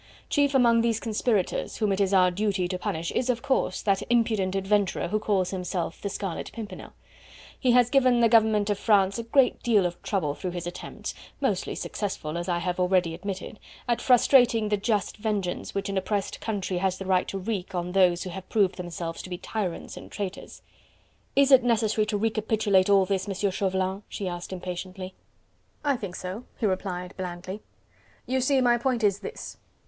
Chief among these conspirators, whom it is our duty to punish is, of course, that impudent adventurer who calls himself the Scarlet Pimpernel. He has given the government of France a great deal of trouble through his attempts mostly successful, as I have already admitted, at frustrating the just vengeance which an oppressed country has the right to wreak on those who have proved themselves to be tyrants and traitors." "Is it necessary to recapitulate all this, Monsieur Chauvelin?" she asked impatiently. "I think so," he replied blandly. "You see, my point is this.